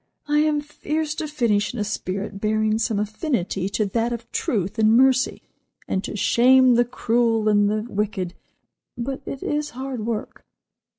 I am fierce to finish in a spirit bearing some affinity to that of truth and mercy, and to shame the cruel and the wicked, but it is hard work."